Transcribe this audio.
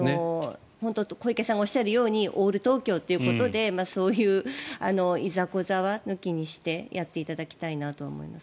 小池さんがおっしゃるようにオール東京ということでそういういざこざは抜きにしてやっていただきたいなと思います。